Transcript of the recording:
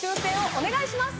お願いします！